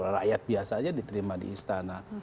rakyat biasa aja diterima di istana